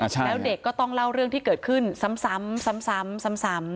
แล้วเด็กก็ต้องเล่าเรื่องที่เกิดขึ้นซ้ำ